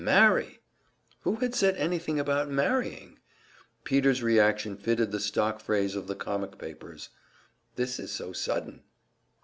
"Marry!" Who had said anything about marrying? Peter's reaction fitted the stock phrase of the comic papers: "This is so sudden!"